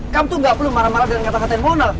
kamu tuh gak perlu marah marah dengan kata katain mona